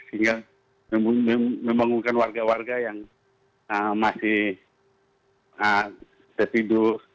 sehingga membangunkan warga warga yang masih tertidur